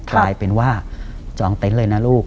กลายเป็นว่าจองเต็นต์เลยนะลูก